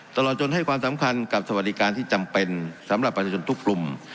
ตลอดจนให้ความสำคัญกับสวัสดิการที่จำเป็นสำหรับประชาชนทุกกลุ่ม